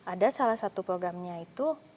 ada salah satu programnya itu